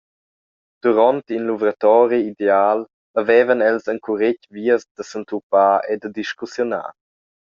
Duront in luvratori ideal havevan els encuretg vias da s’entupar e da discussiunar.